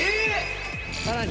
さらに！